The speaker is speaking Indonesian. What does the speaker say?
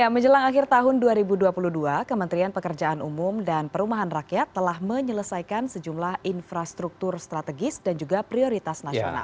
menjelang akhir tahun dua ribu dua puluh dua kementerian pekerjaan umum dan perumahan rakyat telah menyelesaikan sejumlah infrastruktur strategis dan juga prioritas nasional